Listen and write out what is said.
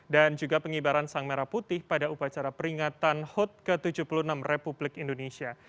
dan juga pengibaran sang merah putih pada upacara peringatan hut ke tujuh puluh enam republik indonesia